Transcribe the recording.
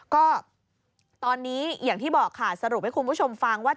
ก็ตอนนี้อย่างที่บอกค่ะสรุปให้คุณผู้ชมฟังว่า